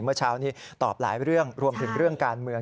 เมื่อเช้านี้ตอบหลายเรื่องรวมถึงเรื่องการเมือง